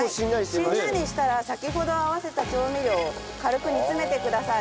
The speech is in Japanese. しんなりしたら先ほど合わせた調味料を軽く煮詰めてください。